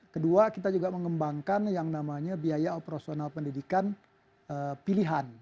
kedua kita juga mengembangkan yang namanya biaya operasional pendidikan pilihan